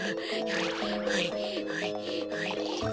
はいはいはいはい。